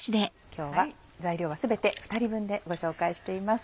今日は材料は全て２人分でご紹介しています。